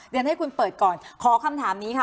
เรียนให้คุณเปิดก่อนขอคำถามนี้ค่ะ